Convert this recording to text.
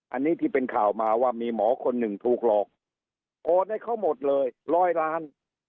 อันนี้ที่เป็นข่าวมาว่ามีหมอคนหนึ่งถูกหลอกโอนให้เขาหมดเลยร้อยล้าน